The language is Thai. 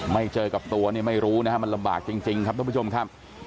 ไม่เจอกับตัวเนี่ยไม่รู้นะฮะมันลำบากจริงครับท่านผู้ชมครับ